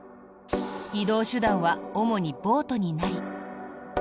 移動手段は主にボートになり。